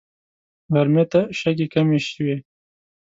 غرمې ته شګې کمې شوې.